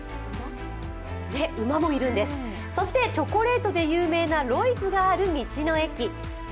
馬もいるんです、そしてチョコレートでも有名なロイズがある道の駅。